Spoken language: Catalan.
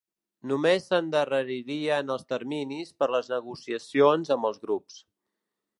Només s’endarreririen els terminis per les negociacions amb els grups.